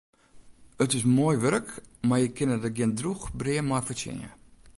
It is moai wurk, mar je kinne der gjin drûch brea mei fertsjinje.